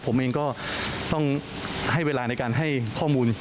ผมเองก็ต้องให้เวลาในการให้ข้อมูล